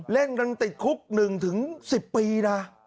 เล่นกันติดคุก๑๑๐ปีนะ